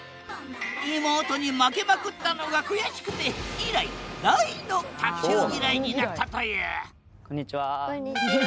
妹に負けまくったのが悔しくて以来大の卓球ぎらいになったというこんにちは。